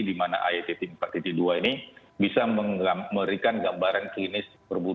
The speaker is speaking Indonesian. di mana ay empat dua ini bisa memberikan gambaran klinis berbahaya